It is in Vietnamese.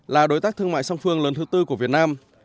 là đối tác thương mại song phương lớn thứ tư của việt nam